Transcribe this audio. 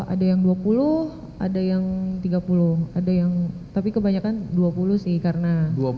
ada yang dua puluh ada yang tiga puluh ada yang tapi kebanyakan dua puluh sih karena dua puluh